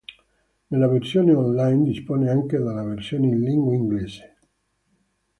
Nella versione on line dispone anche della versione in lingua inglese.